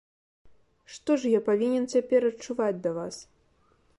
Што ж я павінен цяпер адчуваць да вас?